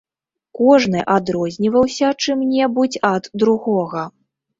Кожны адрозніваўся чым-небудзь ад другога.